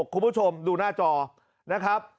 คุณผู้ชมดูหน้าจอนะครับ